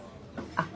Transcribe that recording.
あっ。